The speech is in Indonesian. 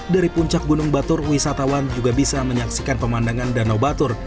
dari puncak gunung batur wisatawan juga bisa menyaksikan pemandangan danau batur